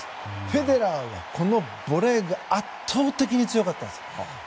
フェデラーはこのボレーが圧倒的に強かったんです。